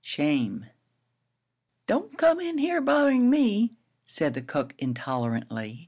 VI SHAME "Don't come in here botherin' me," said the cook, intolerantly.